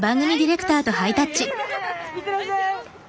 いってらっしゃい。